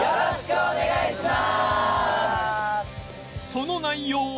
その内容は